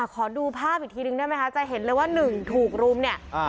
ขอดูภาพอีกทีนึงได้ไหมคะจะเห็นเลยว่าหนึ่งถูกรุมเนี่ย